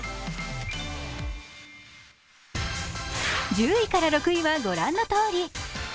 １０位から６位は御覧のとおり。